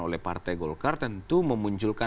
oleh partai golkar tentu memunculkan